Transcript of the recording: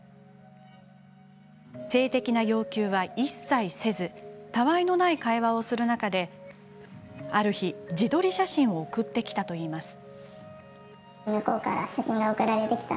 性的な要求は一切せずたあいのない会話をする中である日、自撮り写真を送ってきたといいます。